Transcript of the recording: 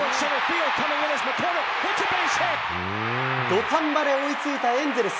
土壇場で追いついたエンゼルス。